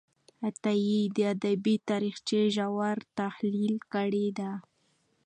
عطايي د ادبي تاریخ ژور تحلیل کړی دی.